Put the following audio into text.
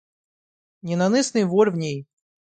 Ненасытный вор в ней.